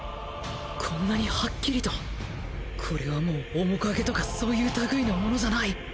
こんなにハッキリとこれはもう面影とかそういう類のものじゃない！